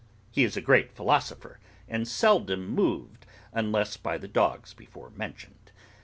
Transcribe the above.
He is a great philosopher, and seldom moved, unless by the dogs before mentioned.